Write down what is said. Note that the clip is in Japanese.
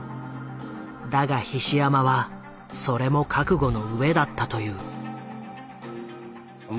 だが菱山はそれも覚悟の上だったという。